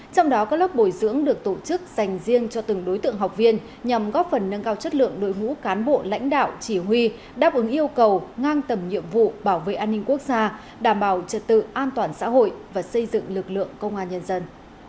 trong đó các lớp bồi dưỡng được tổ chức dành riêng cho từng đối tượng học viên nhằm góp phần nâng cao chất lượng đội ngũ cán bộ lãnh đạo chỉ huy đáp ứng yêu cầu ngang tầm nhiệm vụ bảo vệ an ninh quốc gia đảm bảo trật tự an toàn xã hội và xây dựng lực lượng công an nhân dân